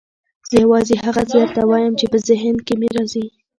زه یوازې هغه څه درته وایم چې په ذهن کې مې راځي.